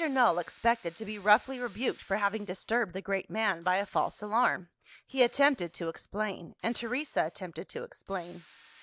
Null expected to be roughly rebuked for having disturbed the great man by a false alarm. He attempted to explain: and Teresa attempted to explain.